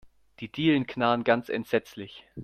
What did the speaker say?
Die Dielen knarren ganz entsetzlich.